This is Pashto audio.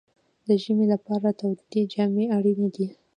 د ژمي لپاره تودې جامې اړینې دي.